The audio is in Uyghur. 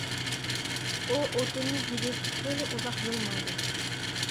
ئۇ ئوتۇننى يۈدۈپ خېلى ئۇزاق يول ماڭدى.